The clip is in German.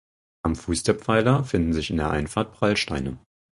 Am Fuß der Pfeiler finden sich in der Einfahrt Prallsteine.